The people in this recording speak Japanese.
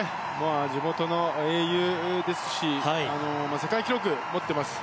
地元の英雄ですし世界記録を持っています。